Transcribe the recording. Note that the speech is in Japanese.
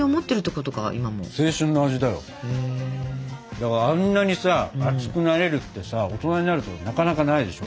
だからあんなにさ熱くなれるってさ大人になるとなかなかないでしょ。